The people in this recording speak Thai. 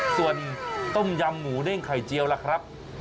ส่วนต้มยำหมูเด้งไข่เจียวล่ะครับ